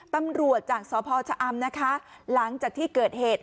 ตำรวจจากสพชอหลังจากที่เกิดเหตุ